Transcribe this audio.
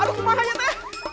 aduh kepangannya teh